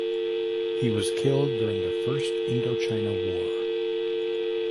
He was killed during the First Indochina War.